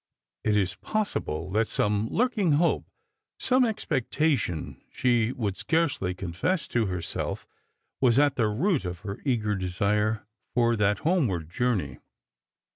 It is possible that some lurking hope, some expectation she would scarcely confess to herself, was at the root of her eager desire for that homeward journey.